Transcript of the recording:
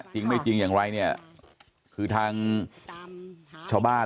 จริงไม่จริงอย่างไรเนี่ยคือทางชาวบ้าน